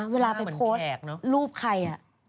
เวลาไปโพสต์รูปใคร